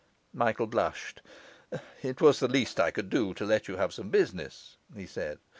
Michael blushed. 'It was the least I could do to let you have some business,' he said.